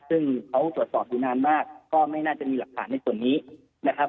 ซึ่งเขาตรวจสอบอยู่นานมากก็ไม่น่าจะมีหลักฐานในส่วนนี้นะครับ